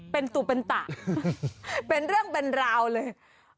เป็นตุเป็นตะเป็นเรื่องเป็นราวเลย